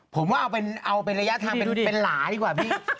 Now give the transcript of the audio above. ผมว่าเอาเป็นระยะทางเป็นหลาดีกว่าพี่